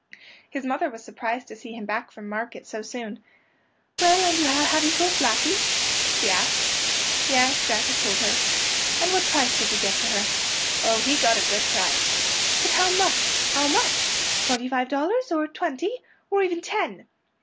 His mother was surprised to see him back from market so soon. "Well, and have you sold Blackey?" she asked. Yes, Jack had sold her. "And what price did you get for her?" Oh, he got a good price. "But how much? How much? Twenty five dollars? Or twenty? Or even ten?"